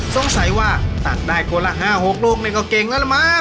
สงสัยว่าตักได้คนละ๕๖ลูกนี่ก็เก่งแล้วละมั้ง